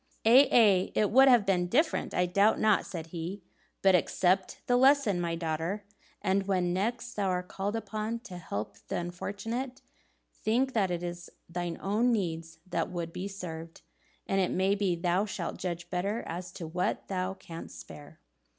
"Aye, aye, it would have been different, I doubt not," said he; "but accept the lesson, my daughter, and when next thou art called upon to help the unfortunate, think that it is thine own needs that would be served; and it may be thou shalt judge better as to what thou canst spare."